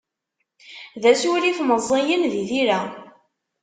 D asurif meẓẓiyen di tira.